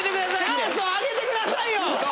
チャンスをあげてくださいよ！